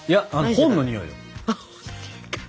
本のにおいか。